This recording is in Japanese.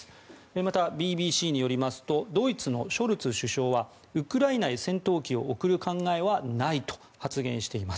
また、ＢＢＣによりますとドイツのショルツ首相はウクライナへ戦闘機を送る考えはないと発言しています。